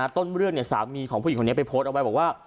ต้นเรื่องสามีของผู้หญิงคนนี้ไปโพสต์เอาไว้บอกว่า